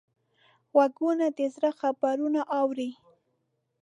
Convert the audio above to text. غوږونه د زړه خبرونه اوري